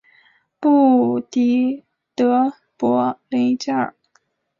布迪德博雷加尔。